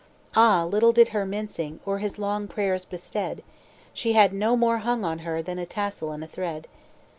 "Ah! little did her mincing, Or his long prayers bestead; She had no more hung on her Than a tassel and a thread.